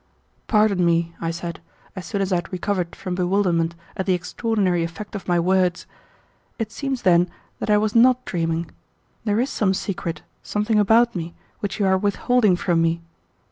"Pardon me," I said, as soon as I had recovered from bewilderment at the extraordinary effect of my words. "It seems, then, that I was not dreaming. There is some secret, something about me, which you are withholding from me.